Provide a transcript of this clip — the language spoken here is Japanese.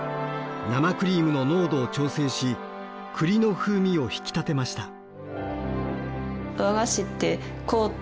生クリームの濃度を調整し栗の風味を引き立てました。